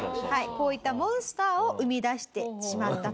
こういったモンスターを生み出してしまったと。